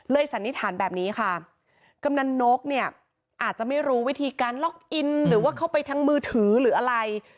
สันนิษฐานแบบนี้ค่ะกำนันนกเนี่ยอาจจะไม่รู้วิธีการล็อกอินหรือว่าเข้าไปทางมือถือหรืออะไร